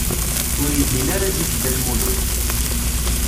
Ur igin ara zik Dda Lmulud.